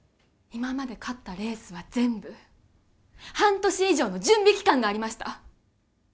今まで勝ったレースは全部半年以上の準備期間がありました